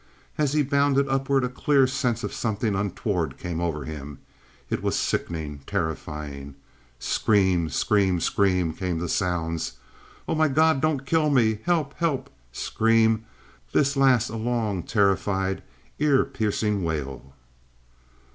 As he bounded upward a clear sense of something untoward came over him; it was sickening, terrifying. Scream! Scream! Scream! came the sounds. "Oh, my God! don't kill me! Help! Help!" SCREAM—this last a long, terrified, ear piercing wail.